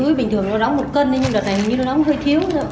túi bình thường nó lóng một cân đấy nhưng mà đợt này hình như nó lóng hơi thiếu